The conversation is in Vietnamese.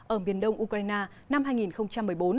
ở miền đông ukraine năm hai nghìn một mươi bốn